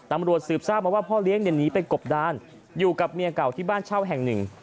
ตำรวจสืบทราบมาว่าพ่อเลี้ยงหนีไปกบดานอยู่กับเมียเก่าที่บ้านเช่าแห่งหนึ่ง